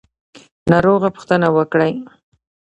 ناروغه پوښتنه وکړئ